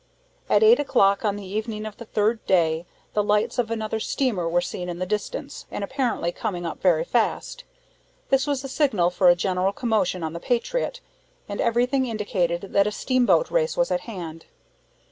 At eight o'clock on the evening of the third day, the lights of another steamer were seen in the distance, and apparently coming up very fast. This was a signal for a general commotion on the Patriot, and everything indicated that a steamboat race was at hand.